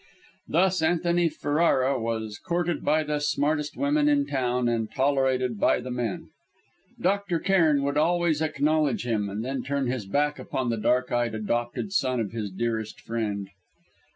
Thus Antony Ferrara was courted by the smartest women in town and tolerated by the men. Dr. Cairn would always acknowledge him, and then turn his back upon the dark eyed, adopted son of his dearest friend.